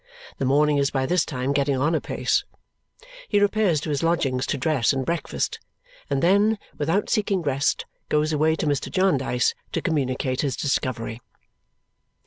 The morning is by this time getting on apace. He repairs to his lodgings to dress and breakfast, and then, without seeking rest, goes away to Mr. Jarndyce to communicate his discovery.